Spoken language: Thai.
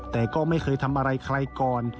แต่ก็ไม่เคยทำอะไรใครก่อน